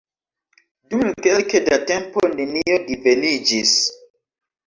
Dum kelke da tempo nenio diveniĝis.